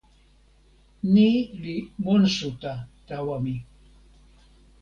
ni li monsuta tawa mi.